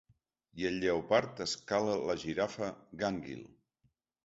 I el lleopard escala la girafa gànguil.